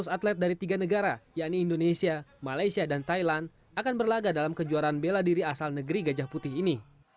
dua ratus atlet dari tiga negara yakni indonesia malaysia dan thailand akan berlaga dalam kejuaraan bela diri asal negeri gajah putih ini